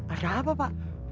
ada apa pak